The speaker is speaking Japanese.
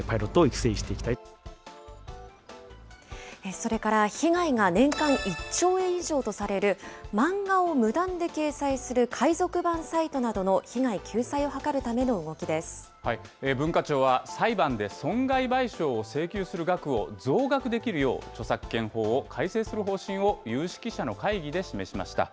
それから、被害が年間１兆円以上とされる、漫画を無断で掲載する海賊版サイトなどの被害救済を図るための動文化庁は裁判で損害賠償を請求する額を増額できるよう、著作権法を改正する方針を有識者の会議で示しました。